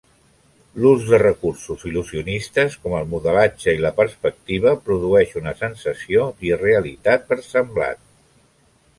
L'ús de recursos il·lusionistes, com el modelatge i la perspectiva, produeix una sensació d'irrealitat versemblant.